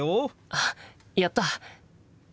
あっやった！